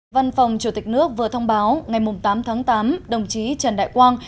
văn phòng chủ tịch nước vừa thông báo ngày tám tháng tám đồng chí trần đại quang